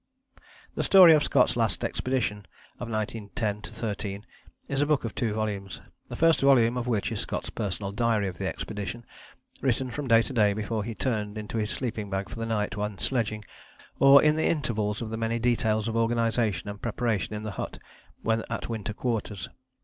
The story of Scott's Last Expedition of 1910 13 is a book of two volumes, the first volume of which is Scott's personal diary of the expedition, written from day to day before he turned into his sleeping bag for the night when sledging, or in the intervals of the many details of organization and preparation in the hut, when at Winter Quarters.